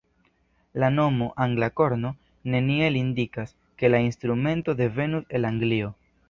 La nomo "angla korno" neniel indikas, ke la instrumento devenus el Anglio.